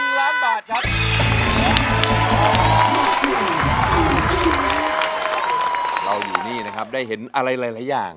เราอยู่นี่นะครับได้เห็นอะไรหลายอย่าง